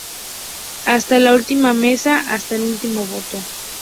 Hasta la última mesa, hasta el último voto.